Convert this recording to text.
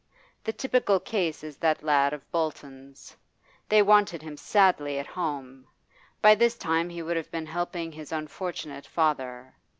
The typical case is that lad of Bolton's. They wanted him sadly at home; by this time he would have been helping his unfortunate father.